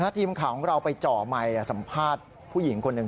ทีมข่าวของเราไปจ่อไมค์สัมภาษณ์ผู้หญิงคนหนึ่ง